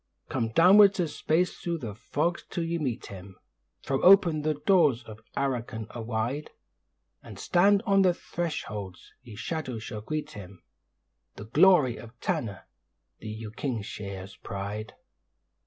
Come downwards a space thro' the fogs till ye meet him, Throw open the doors of Arrochin awide, And stand on the thresholds, ye Shadows to greet him The glory of Tanna, the Uking'shaa's pride.